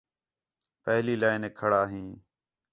پہلی لائینیک کھڑا ہیں